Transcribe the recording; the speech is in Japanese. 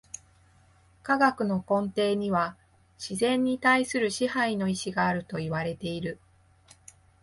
科学の根底には自然に対する支配の意志があるといわれている。